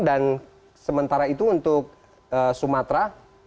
dan sementara itu untuk sumatera